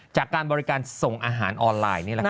จากการบริการส่งอาหารออนไลน์นี่แหละค่ะ